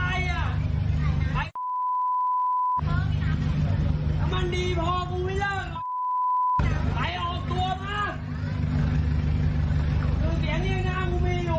ไอ้ดิดูนะใครอยากขอบความงานเวลาคืออะไรเนี่ย